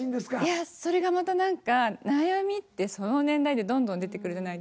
いやそれがまた何か悩みってその年代でどんどん出てくるじゃないですか。